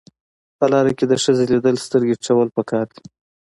په لار کې د ښځې لیدل سترګې ټیټول پکار دي.